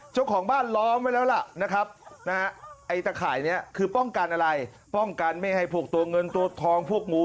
เจ้าของบ้านล้อมไว้แล้วล่ะนะครับนะฮะไอ้ตะข่ายนี้คือป้องกันอะไรป้องกันไม่ให้พวกตัวเงินตัวทองพวกงู